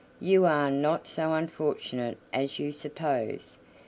you are not so unfortunate as you suppose.